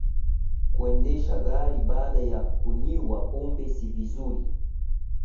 Kuendesha gari baada ya kunywa pombe si vizuri